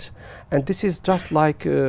và nó như một bức tượng